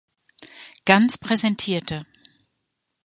Guns präsentierte.